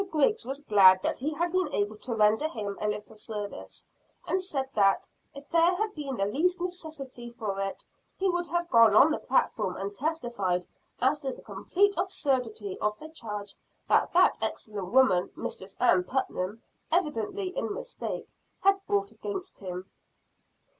Griggs was glad that he had been able to render him a little service; and said that, if there had been the least necessity for it, he would have gone on the platform, and testified as to the complete absurdity of the charge that that excellent woman, Mistress Ann Putnam, evidently in mistake, had brought against him.